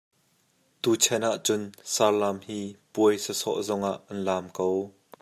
Tuchan ah cun sarlam hi puai sawsawh zongah an lam ko.